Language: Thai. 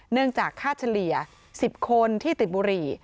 เนื่องจากค่าเฉลี่ย๑๐คนที่ติดบุหรี่